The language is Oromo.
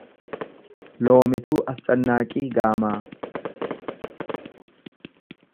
Loomituu Ascannaaqii Gaamaa